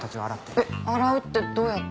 えっ洗うってどうやって？